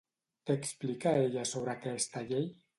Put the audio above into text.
Què explica ella sobre aquesta llei?